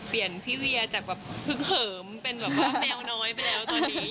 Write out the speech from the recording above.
เบลเปลี่ยนพี่เวียจากเหิมเป็นแบบแมวน้อยไปแล้วตอนนี้